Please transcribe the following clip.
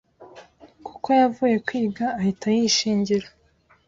kuko yavuye kwiga ahita yishingira